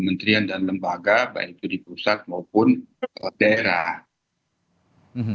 kementerian dan lembaga baik itu di pusat maupun daerah